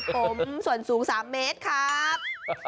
ผมส่วนสูง๓เมตรครับ